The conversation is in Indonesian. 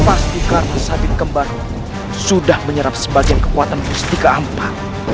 pasti karena sabit kembar itu sudah menyerap sebagian kekuatan misti keampan